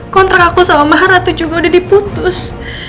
kontrak aku sama maha ratu juga udah diputus